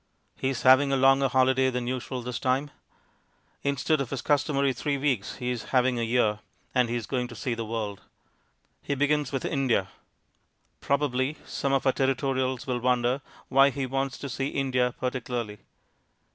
He is having a longer holiday than usual this time. Instead of his customary three weeks, he is having a year, and he is going to see the world. He begins with India. Probably some of our Territorials will wonder why he wants to see India particularly.